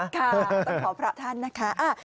ค่ะต้องขอพระท่านนะคะ